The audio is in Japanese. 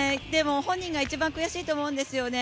本人が一番悔しいと思うんですよね。